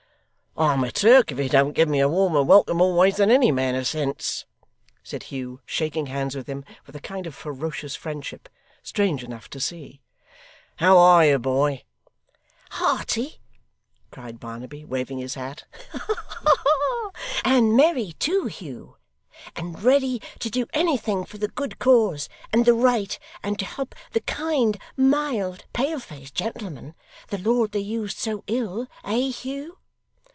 'I'm a Turk if he don't give me a warmer welcome always than any man of sense,' said Hugh, shaking hands with him with a kind of ferocious friendship, strange enough to see. 'How are you, boy?' 'Hearty!' cried Barnaby, waving his hat. 'Ha ha ha! And merry too, Hugh! And ready to do anything for the good cause, and the right, and to help the kind, mild, pale faced gentleman the lord they used so ill eh, Hugh?